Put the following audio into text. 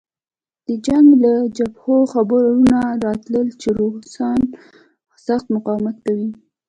د جنګ له جبهو خبرونه راتلل چې روسان سخت مقاومت کوي